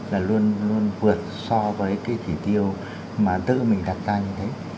là luôn luôn vượt so với cái chỉ tiêu mà tự mình đặt ra như thế